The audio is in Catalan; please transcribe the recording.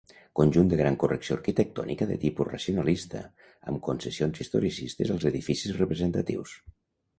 Conjunt de gran correcció arquitectònica de tipus racionalista, amb concessions historicistes als edificis representatius.